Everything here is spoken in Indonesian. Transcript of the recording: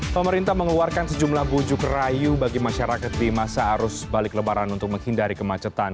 pemerintah mengeluarkan sejumlah bujuk rayu bagi masyarakat di masa arus balik lebaran untuk menghindari kemacetan